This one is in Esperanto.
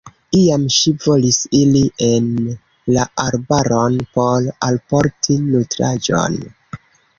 Iam ŝi volis iri en la arbaron por alporti nutraĵon.